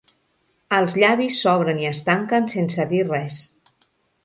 Els llavis s'obren i es tanquen sense dir res.